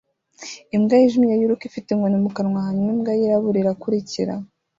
Imbwa yijimye yiruka ifite inkoni mu kanwa hanyuma imbwa yirabura irakurikira